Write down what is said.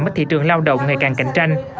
mới thị trường lao động ngày càng cạnh tranh